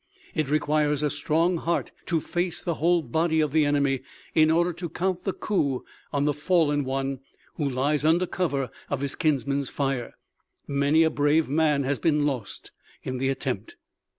It requires a strong heart to face the whole body of the enemy, in order to count the coup on the fallen one, who lies under cover of his kinsmen's fire. Many a brave man has been lost in the attempt.